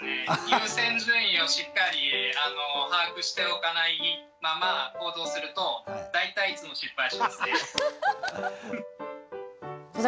優先順位をしっかり把握しておかないまま行動すると大体いつも失敗しますね。